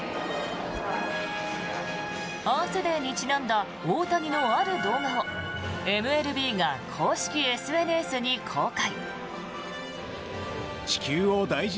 アースデーにちなんだ大谷のある動画をＭＬＢが公式ＳＮＳに公開。